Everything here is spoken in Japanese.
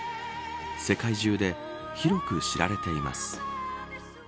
世界中で、広く知られています。